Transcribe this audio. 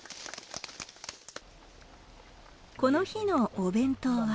この日のお弁当は。